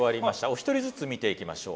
お一人ずつ見ていきましょう。